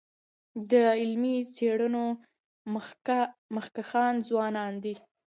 د علمي څېړنو مخکښان ځوانان دي.